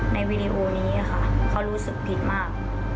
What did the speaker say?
วีดีโอนี้ค่ะเขารู้สึกผิดมาก